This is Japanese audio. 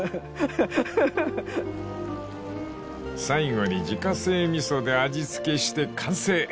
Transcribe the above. ［最後に自家製味噌で味付けして完成］